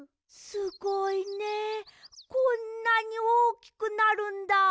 すごいねこんなにおおきくなるんだ。